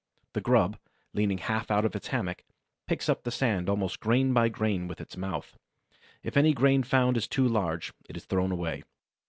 The grub, leaning half out of its hammock, picks up the sand almost grain by grain with its mouth. If any grain found is too large, it is thrown away.